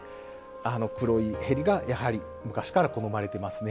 あの黒い縁がやはり昔から好まれてますね。